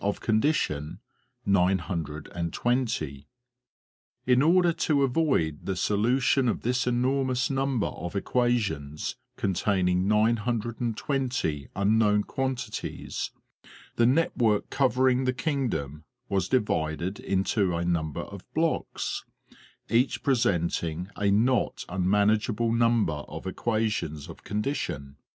of condition, 920. In order to avoid the solution of this enormous number of equations, containing 920 unknown quantities, the network cov ering the kingdom was divided into a number of blocks, each pre senting a not unmanageable number of equations of condition.